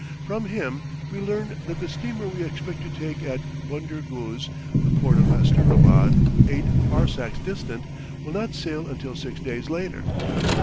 From him we learn that the steamer we expect to take at Bunder Guz, the port of Asterabad, eight farsakhs distant, will not sail until six days later.